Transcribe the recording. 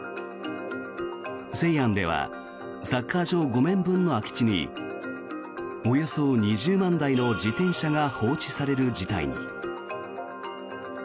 西安ではサッカー場５面分の空き地におよそ２０万台の自転車が放置される事態に。